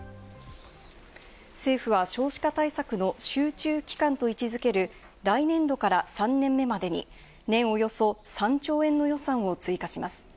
政府は少子化対策の集中期間と位置付ける来年度から３年目までに、年およそ３兆円の予算を追加します。